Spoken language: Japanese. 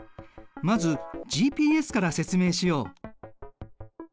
まずＧＰＳから説明しよう。